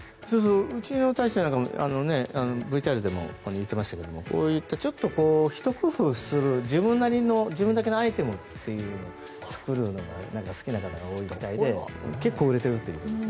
うちの太一なんかもＶＴＲでも言っていましたがこういったちょっと一工夫する自分だけのアイテムというのを作るのが好きな方が多いみたいで結構、売れてるみたいです。